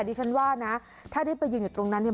ดิฉันว่านะถ้าได้ไปยืนอยู่ตรงนั้นเนี่ย